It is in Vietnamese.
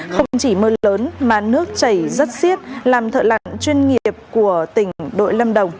không chỉ mưa lớn mà nước chảy rất xiết làm thợ lặn chuyên nghiệp của tỉnh đội lâm đồng